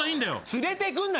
連れてくんな！